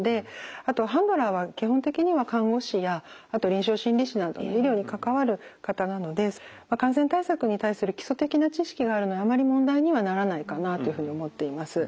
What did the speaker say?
あとハンドラーは基本的には看護師やあと臨床心理士などの医療に関わる方なので感染対策に対する基礎的な知識があるのであまり問題にはならないかなというふうに思っています。